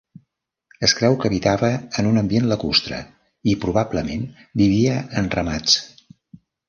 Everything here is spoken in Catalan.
Es creu que habitava en un ambient lacustre i, probablement, vivia en ramats.